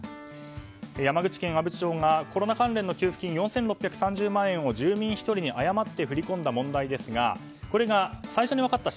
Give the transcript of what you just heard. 山口県阿武町がコロナ関連の給付金４６３０万円を住民１人に誤って振り込んだ問題ですがこれが最初に分かった